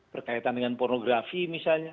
berkaitan dengan pornografi misalnya